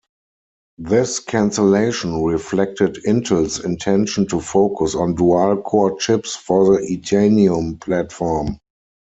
This cancellation reflected Intel's intention to focus on dual-core chips for the Itanium platform.